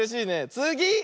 つぎ！